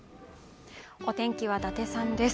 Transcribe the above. お天気は伊達さんです